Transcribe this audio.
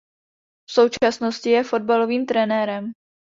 V současnosti je fotbalovým trenérem.